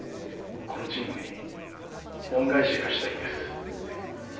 このチームに恩返しがしたいんですあ